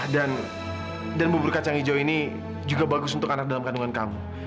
dan dan bubur kacang hijau ini juga bagus untuk anak dalam kandungan kamu